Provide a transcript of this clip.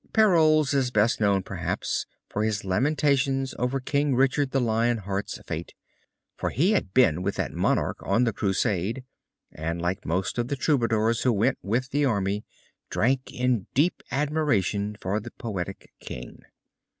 Peyrols is best known perhaps for his lamentations over King Richard the Lion Heart's fate, for he had been with that monarch on the crusade, and like most of the Troubadours who went with the army, drank in deep admiration for the poetic king.